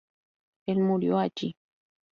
Él murió allí.